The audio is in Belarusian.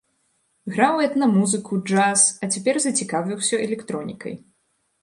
Граў этна-музыку, джаз, а цяпер зацікавіўся электронікай.